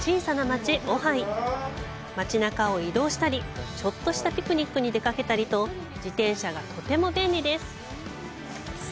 街なかを移動したりちょっとしたピクニックに出かけたりと自転車がとても便利です。